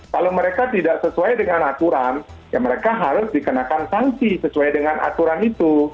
kalau mereka tidak sesuai dengan aturan ya mereka harus dikenakan sanksi sesuai dengan aturan itu